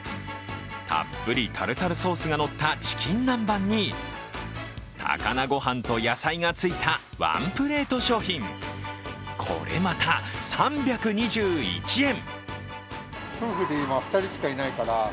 たっぷりとタルタルソースがのったチキン南蛮に高菜ごはんと野菜がついたワンプレート商品、これまた３２１円。